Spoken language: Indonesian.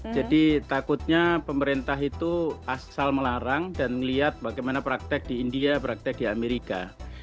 jadi takutnya pemerintah itu asal melarang dan melihat bagaimana praktek di india praktek di amerika